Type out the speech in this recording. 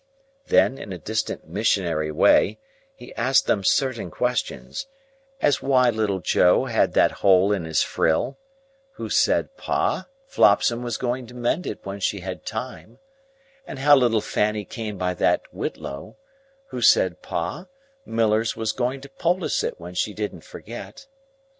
Then, in a distant Missionary way he asked them certain questions,—as why little Joe had that hole in his frill, who said, Pa, Flopson was going to mend it when she had time,—and how little Fanny came by that whitlow, who said, Pa, Millers was going to poultice it when she didn't forget.